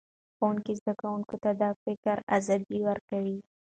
ښوونکی زده کوونکو ته د فکر ازادي ورکوي